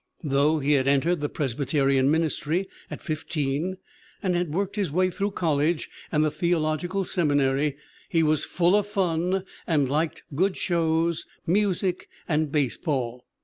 Though he had entered the Presbyterian ministry at 15 and had worked his way through col lege and the theological seminary he was "full of fun" and liked "good shows, music and baseball.